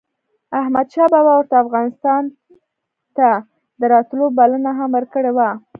احمد شاه بابا ورته افغانستان ته دَراتلو بلنه هم ورکړې وه